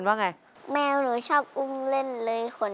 ตัวเลือกที่สอง๘คน